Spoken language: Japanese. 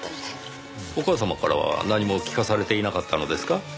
お母様からは何も聞かされていなかったのですか？